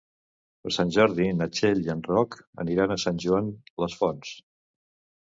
Per Sant Jordi na Txell i en Roc aniran a Sant Joan les Fonts.